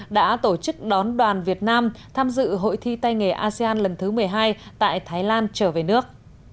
đã tổ chức đón đoàn việt nam tham dự hội thi tay nghề asean lần thứ một mươi hai tại thái lan trở về nước